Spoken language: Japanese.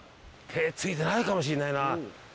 手付いてないかもしんないな。